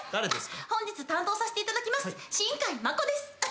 本日担当させていただきます新海まこです。